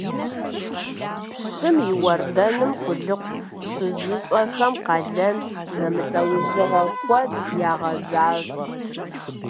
Пщым и уардэунэм къулыкъу щызыщӀэхэм къалэн зэмылӀэужьыгъуэ куэд ягъэзащӀэрт.